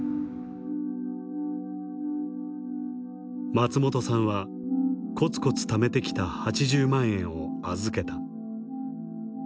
松本さんはこつこつためてきた８０万円を預けた。